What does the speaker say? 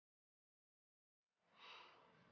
kamu cepat sembuh ya